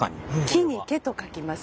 「木」に「毛」と書きます。